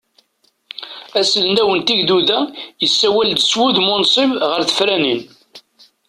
Aselway n tigduda yessawel-d s wudem unṣib ɣer tefranin.